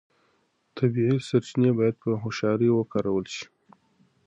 طبیعي سرچینې باید په هوښیارۍ وکارول شي.